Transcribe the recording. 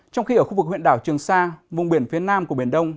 trong khi ở khu vực huyện đảo trường sa vùng biển phía nam của biển đông